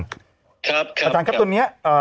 ครับครับอาจารย์ครับตอนนี้